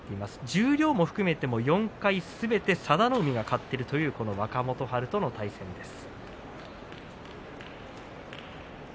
十両含めても４回すべて佐田の海が勝っている若元春との対戦です。